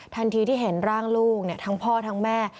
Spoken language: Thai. ทันทีที่เห็นร่างลูกทั้งพ่อทั้งแม่